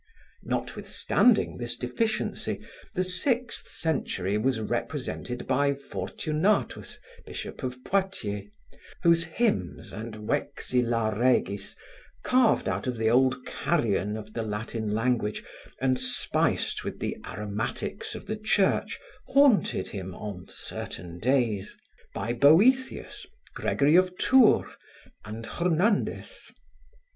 Notwithstanding this deficiency, the sixth century was represented by Fortunatus, bishop of Poitiers, whose hymns and Vexila regis, carved out of the old carrion of the Latin language and spiced with the aromatics of the Church, haunted him on certain days; by Boethius, Gregory of Tours, and Jornandez.